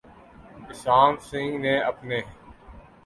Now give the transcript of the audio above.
اسام سنگ نے اپنے